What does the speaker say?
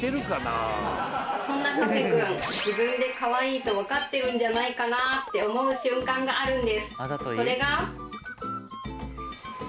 そんなカフェくん自分でかわいいと分かってるんじゃないかなって思う瞬間があるんですそれが